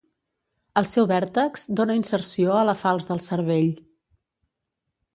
El seu vèrtex dóna inserció a la falç del cervell.